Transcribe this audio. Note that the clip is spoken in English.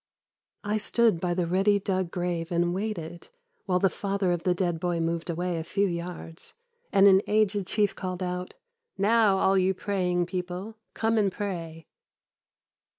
"I stood by the ready dug grave and waited; while the father of the dead boy moved away a few yards, and an aged chief called out, 'Now, all you praying people, come and pray.